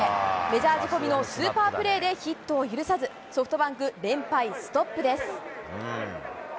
メジャー仕込みのスーパープレーでヒットを許さず、ソフトバンク、連敗ストップです。